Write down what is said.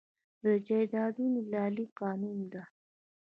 د جایدادونو دلالي قانوني ده؟